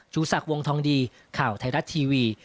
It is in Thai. ชูศักดิ์วงทองดีข่าวไทยรัฐทีวี